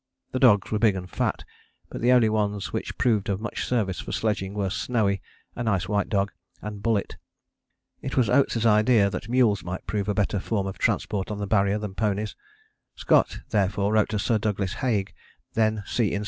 The dogs were big and fat, but the only ones which proved of much service for sledging were Snowy, a nice white dog, and Bullett. It was Oates' idea that mules might prove a better form of transport on the Barrier than ponies. Scott therefore wrote to Sir Douglas Haig, then C. in C.